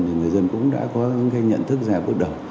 thì người dân cũng đã có những cái nhận thức ra bước đầu